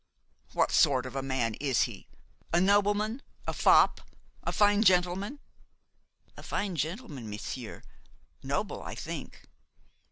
"What sort of man is he? a nobleman, a fop, a fine gentleman?" "A fine gentleman, monsieur; noble, I think."